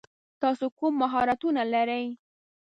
تاسو کوم مهارتونه لری ؟